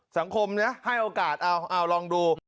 สังคมนะให้โอกาสเอาลองดู